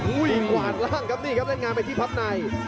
อุ้ยหวานร่างครับนี่ครับได้งานไปที่พับใน